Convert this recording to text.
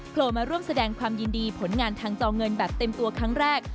โลมาร่วมแสดงความยินดีผลงานทางจอเงินแบบเต็มตัวครั้งแรก